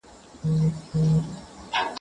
که په کار کي صداقت وي نو پایله یې ښه وي.